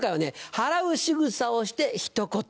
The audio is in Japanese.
払うしぐさをしてひと言。